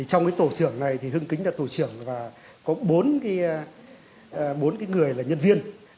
trong tổ trưởng này thì hưng kính là tổ trưởng và có bốn người là nhân viên